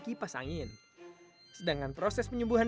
kipas angin sedangkan proses penyembuhan